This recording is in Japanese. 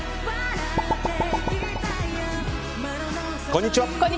こんにちは。